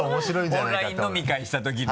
オンライン飲み会した時の。